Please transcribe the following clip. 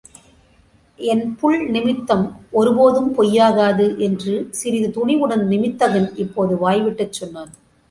என் புள் நிமித்தம் ஒரு போதும் பொய்யாகாது என்று சிறிது துணிவுடன் நிமித்திகன் இப்போது வாய்விட்டுச் சொன்னான்.